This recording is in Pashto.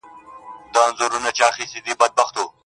راځي سبا~